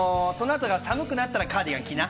寒くなったらカーディガン着な。